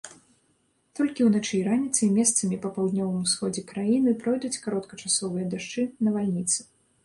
Толькі ўначы і раніцай месцамі па паўднёвым усходзе краіны пройдуць кароткачасовыя дажджы, навальніцы.